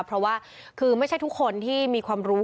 เพราะว่าคือไม่ใช่ทุกคนที่มีความรู้